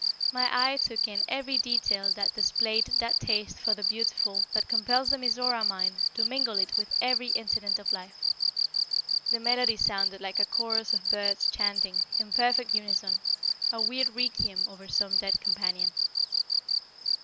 My eye took in every detail that displayed that taste for the beautiful that compels the Mizora mind to mingle it with every incident of life. The melody sounded like a chorus of birds chanting, in perfect unison, a weird requiem over some dead companion.